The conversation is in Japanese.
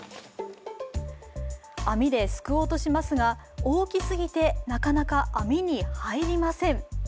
網ですくおうとしますが、大きすぎて、なかなか網に入りません。